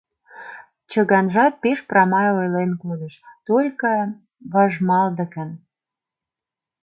Чыганжат пеш прамай ойлен кодыш, только важмалдыкын.